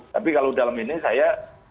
tapi kalau dalam ini saya